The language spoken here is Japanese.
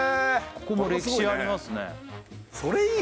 ここも歴史ありますね